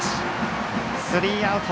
スリーアウト。